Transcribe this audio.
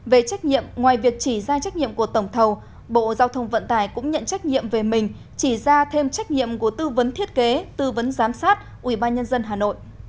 về trách nhiệm ngoài việc chỉ ra trách nhiệm của tổng thầu bộ giao thông vận tải cũng nhận trách nhiệm về mình chỉ ra thêm trách nhiệm của tư vấn thiết kế tư vấn giám sát ubnd hà nội